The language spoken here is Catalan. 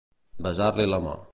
Besar-li la mà.